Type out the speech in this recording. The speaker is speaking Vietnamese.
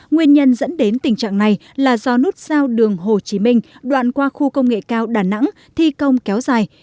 nguyên nhân dẫn đến tình trạng này là do nút sao đường hồ chí minh đoạn qua khu công nghệ cao đà nẵng thi công kéo dài